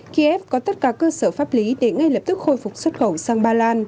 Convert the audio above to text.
kiev có tất cả cơ sở pháp lý để ngay lập tức khôi phục xuất khẩu sang ba lan